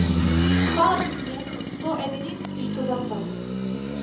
Фала ти, сине, од сто едини си што застана.